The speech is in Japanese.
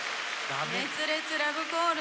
熱烈ラブコールです。